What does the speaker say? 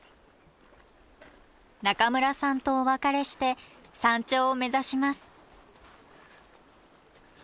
中村さんとお別れして山頂を目指します